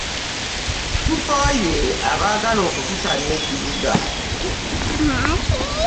Tukooye abaagala okututamya ekibuga.